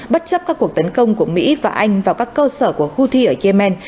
bất chấp các cuộc tấn công của mỹ và anh vào các cơ sở của houthi ở yemen